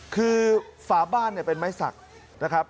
คือฝาบ้านเนี่ยเป็นไม้สักนะครับ